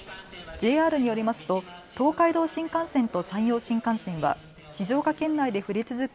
ＪＲによりますと東海道新幹線と山陽新幹線は静岡県内で降り続く